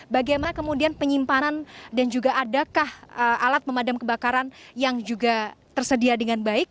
bagaimana kemudian penyimpanan dan juga adakah alat pemadam kebakaran yang juga tersedia dengan baik